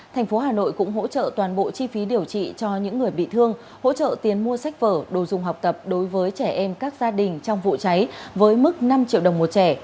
thành phố hà nội cũng hỗ trợ toàn bộ chi phí điều trị cho những người bị thương hỗ trợ tiền mua sách vở đồ dùng học tập đối với trẻ em các gia đình trong vụ cháy với mức năm triệu đồng một trẻ